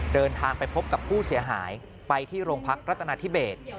เดินทางไปพบกับผู้เสียหายไปที่โรงพักรัฐนาธิเบส